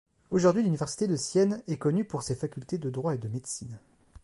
Aujourd'hui, l'université de Sienne est connue pour ses facultés de droit et de médecine.